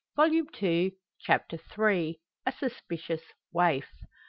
Volume Two, Chapter III. A SUSPICIOUS WAIF.